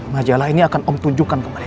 majalah ini akan om tunjukkan kembali